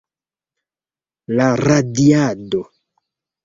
La radiado.